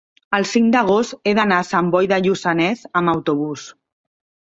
el cinc d'agost he d'anar a Sant Boi de Lluçanès amb autobús.